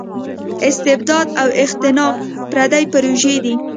استبداد او اختناق پردۍ پروژې دي.